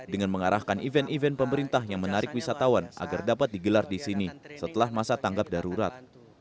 dengan mengarahkan event event pemerintah yang menarik wisatawan agar dapat digelar di sini setelah masa tanggap darurat